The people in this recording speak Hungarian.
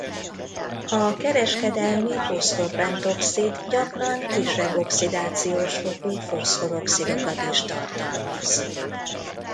A kereskedelmi foszfor-pentoxid gyakran kisebb oxidációs fokú foszfor-oxidokat is tartalmaz.